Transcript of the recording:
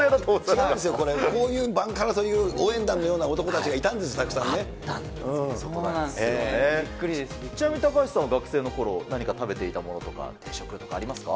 違うんですよ、こういう、バンカラという、応援団のようなそうなんですね、びっくりでちなみに高橋さんは、学生のころ、何か食べていたものとか、定食とかありますか。